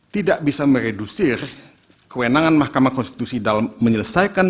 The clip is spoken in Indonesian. tidak bisa meredusir kewenangan mahkamah konstitusi dalam menyelesaikan